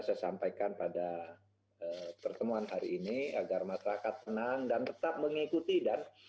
saya sampaikan pada pertemuan hari ini agar masyarakat tenang dan tetap mengikuti dan